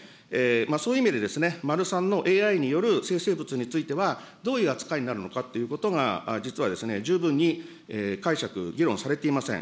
そういう意味で、丸３のＡＩによる生成物については、どういう扱いになるのかということが、実は十分に解釈、議論されておりません。